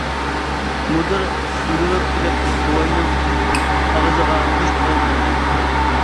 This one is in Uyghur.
مۇدىر يۈگۈرۈپ كېلىپ بوۋاينىڭ ئاغزىغا مۇشت بىلەن ئۇردى.